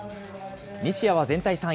西矢は全体３位。